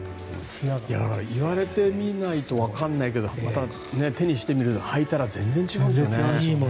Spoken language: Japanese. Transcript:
言われてみないと分からないけど手にしてみて履いたら全然違うんでしょうね。